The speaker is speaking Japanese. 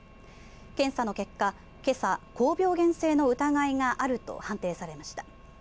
検査の結果、今朝高病原性の疑いがあると判定されました。